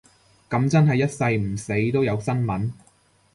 噉真係一世唔死都有新聞